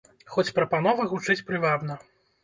Хоць прапанова гучыць прывабна.